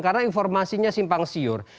karena informasinya simpang siur